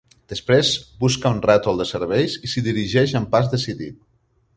Després busca un rètol de serveis i s'hi dirigeix amb pas decidit.